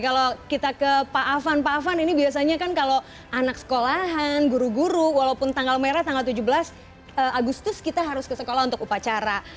kalau kita ke pak afan pak afan ini biasanya kan kalau anak sekolahan guru guru walaupun tanggal merah tanggal tujuh belas agustus kita harus ke sekolah untuk upacara